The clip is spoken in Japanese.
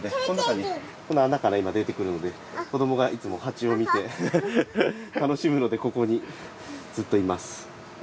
この穴から今出てくるので子どもがいつもハチを見て楽しむのでここにずっといます。